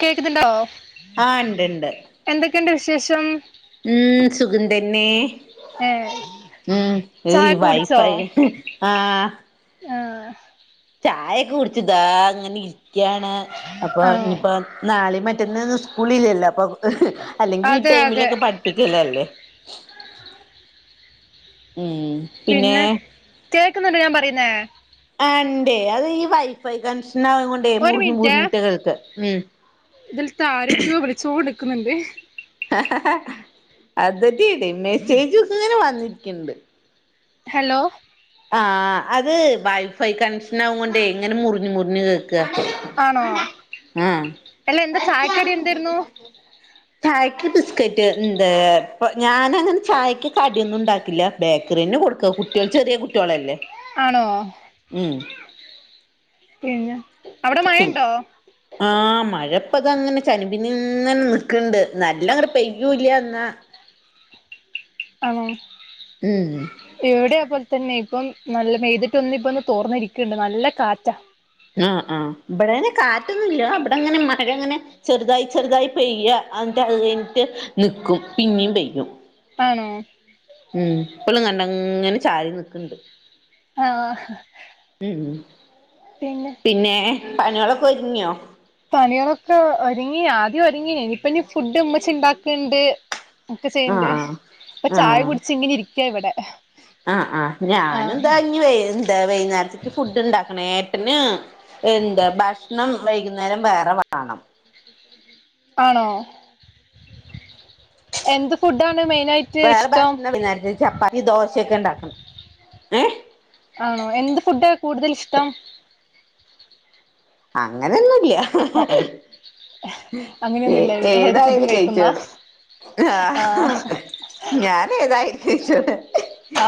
കേക്കുന്നുണ്ടോ ആഹ് ഇണ്ട് ഇണ്ട് എന്തൊക്കെണ്ട് വിശേഷം ഉം സുഖം തന്നെ ഏ ഉം ഏയി ചായൊക്കെ വൈഫൈ ആഹ് ആഹ് ചായൊക്കെ കുടിച്ചിതാ ഇങ്ങനെ ഇരിക്കാണ് അപ്പൊ ആണോ ഇനിയിപ്പോ നാളീം മറ്റന്നൊന്നും സ്കൂളില്ലല്ലോ അപ്പൊ അല്ലെങ്കിൽ ഈ അതെ അതെ ടൈമിലൊക്കെ പഠി പ്പിക്കലല്ലേ ഉം പിന്നെ കേക്കുന്നുണ്ടോ ഞാൻ പറയുന്നേ ആഹ് ഇണ്ടേ അത് ഈ വൈഫൈ കണക്ഷനായോണ്ടേ ഒരു മുറിഞ്ഞ് മുറിഞ്ഞിട്ട കേൾക്ക ഉം ഇതിൽത്തെ ആരൊക്കെയോ വിളിച്ച്കോണ്ട്നിക്ക്ന്നുണ്ട് അതെതെ ഇടിം മെസ്സേജ് ഇങ്ങനെ വന്നിരിക്ക്ണ്ട് ഹലോ ആഹ് അത് വൈഫൈ കണക്ഷനാവോണ്ടെ ഇങ്ങനെ മുറിഞ്ഞ് മുറിഞ്ഞ് കേൾക്ക ആണോ ഉം അല്ല എന്താ ചായക്കടി എന്തായിരുന്നു ചായക്ക് ബിസ്കറ്റ്ണ്ട് ഞാനങ്ങനെ ചായക്ക് കടിയൊന്നും ഇണ്ടാക്കില്ല ബേക്കറിയെന്നെ കൊടുക്ക കുട്ട്യാൾ ചെറിയ കുട്ട്യാളല്ലേ ആണോ ഉം പിന്നെ അവടെ മഴണ്ടോ ആഹ് മഴപ്പത ഇങ്ങനെ ചനിപിന്നനെ നിക്കണ്ട് ആ, നല്ലങ്ങട് പെയ്യൂല്ല്യ ഇന്നാ ആണോ ഉം ഇവടിം അത്‌ പോലെ തന്നെക്കും നല്ല പെയ്തിട്ടൊന്നിപ്പൊ തോർന്നിരിക്ക്ണ്ട് നല്ല കാറ്റാ ആഹ് ആഹ് ഇബടങനെ കാറ്റൊന്നുല്ലാ, ഇബടെങ്ങനെ മഴങ്ങനെ ചെറുതായി ചെറുതായി പെയ്യ. അൻട്ട് ഇൻട്ട് നിക്കും, പിന്നിം പെയ്യും. ആണോ? ഉം ഇപ്പളും കണ്ടങ്ങനെ ചാരി നിക്ക്ണ്ട്. ആഹ് ഉ ഉം പിന്നെ പിന്നേ പണിയോളൊക്കൊര്ങ്ങ്യോ? പണികളൊക്കെ ഒരുങ്ങി, ആദ്യൊരുങ്ങി. ഇനിപ്പനി ഫുഡ്ഡ് ഉമ്മച്ചിണ്ടാക്ക്ണ്ട്. ഒക്കെ ആ ചെയ്യണ്ടേ, ഇപ്പ ആ ചായ ആ കുടിച്ചിങ്ങനെ ഇരിയ്ക്ക ഇവടെ. ആഹ് ആഹ്. ഞാനെന്തായാലും ഞ് വെ ന്താ വൈന്നാര്ത്ത്ക്ക് ഫുഡ്ഡ്ണ്ടാക്കണം ഏട്ടന് എന്ത ഭഷ്ണം വൈകുന്നേരം വേറെ വാണം. ആണോ? എന്ത് ഫുഡ്ഡാണ് മെയിനായിട്ട് ഇഷ്ടം? വെയ്ന്നാര്ത്ത് ചപ്പാത്തി ദോശെക്കെ ഇണ്ടാക്കും. ഏഹ്? ആണോ? എന്ത് ഫുഡ് കൂടുതൽ ഇഷ്ടം? അങ്ങനെന്നുല്ല്യ. ഏ അങ്ങനെയൊന്നുമില്ല ഏത് ഫുഡും ഏതായാലും കഴിക്കുന്ന കയ്ച്ചാടും ആഹ്. ഞാനേതായാ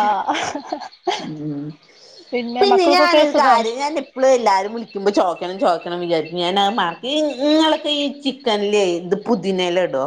ആഹ്. ഉം പിന്നെ മക്കൾക്കൊക്കെ സുഖം? പ്പ്ള് എല്ലാരും വിളിക്കുമ്പൊ ചോ ക്കണം ചോയ്ക്കണം വിചാരിക്കും ഞാനത് മർക്കും. ഇ ഇങ്ങളൊക്കെ ഈ ചിക്കൻലേ ത് പുതിനലടോ?